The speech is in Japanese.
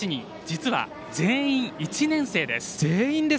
実は全員１年生です。